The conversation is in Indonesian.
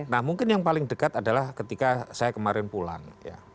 nah mungkin yang paling dekat adalah ketika saya kemarin pulang ya